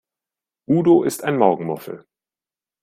Udo ist ein Morgenmuffel.